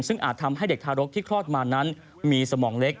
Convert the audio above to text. ซึ่งอาจทำให้เด็กทารกที่คลอดมานั้นมีสมองเล็ก